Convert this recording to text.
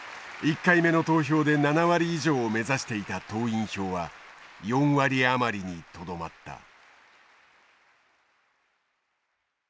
１回目の投票で７割以上を目指していた党員票は４割余りに留まった。